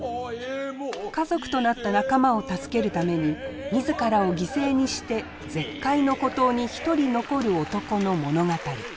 家族となった仲間を助けるために自らを犠牲にして絶海の孤島に一人残る男の物語。